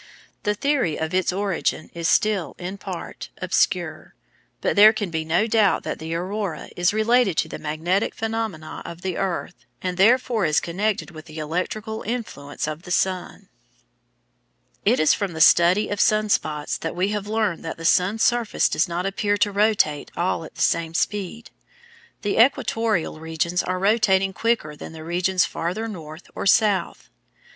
The theory of its origin is still, in part, obscure, but there can be no doubt that the aurora is related to the magnetic phenomena of the earth and therefore is connected with the electrical influence of the sun.] It is from the study of sun spots that we have learned that the sun's surface does not appear to rotate all at the same speed. The "equatorial" regions are rotating quicker than regions farther north or south.